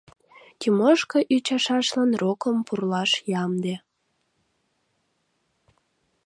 Тимошка ӱчашашлан рокым пурлаш ямде.